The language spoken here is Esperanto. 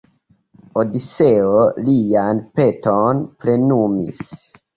Odiseo lian peton plenumis.